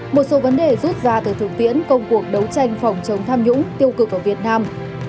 một số vấn đề rút ra từ thực tiễn công cuộc đấu tranh phòng chống tham nhũng tiêu cực ở việt nam